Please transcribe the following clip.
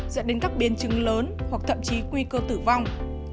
dẫn đến các biến chứng lớn hoặc thậm chí nguy cơ tử vong